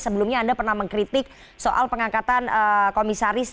sebelumnya anda pernah mengkritik soal pengangkatan komisaris